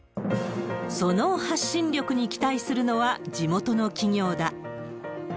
その発信力に期待するのは、地元の企業だ。